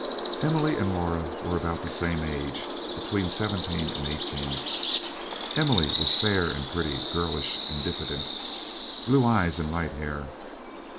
Emily and Laura were about the same age between seventeen and eighteen. Emily was fair and pretty, girlish and diffident blue eyes and light hair.